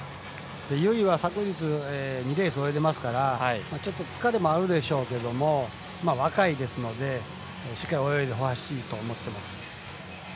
由井は２レース終えていますから疲れもあるでしょうけど若いですのでしっかり泳いでほしいと思ってます。